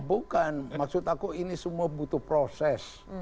bukan maksud aku ini semua butuh proses